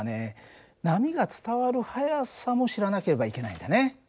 波が伝わる速さも知らなければいけないんだね。